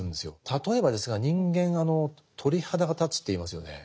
例えばですが人間「鳥肌が立つ」と言いますよね。